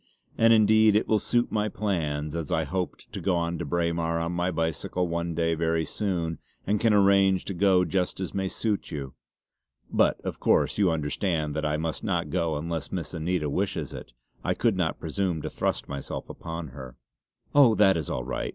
And indeed it will just suit my plans, as I hoped to go to Braemar on my bicycle one day very soon and can arrange to go just as may suit you. But of course you understand that I must not go unless Miss Anita wishes it. I could not presume to thrust myself upon her." "Oh that is all right!"